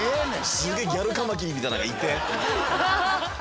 すげえギャルカマキリみたいなんがいて。